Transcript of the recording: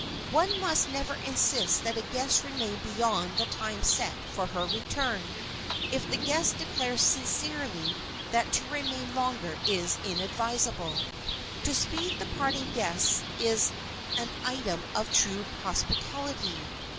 One must never insist that a guest remain beyond the time set for her return, if the guest declares sincerely that to remain longer is inadvisable. To speed the parting guest is an item of true hospitality.